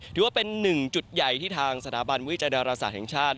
ถือว่าเป็นหนึ่งจุดใหญ่ที่ทางสถาบันวิจัยดาราศาสตร์แห่งชาติ